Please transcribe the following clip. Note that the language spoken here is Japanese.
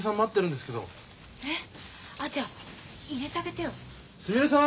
すみれさん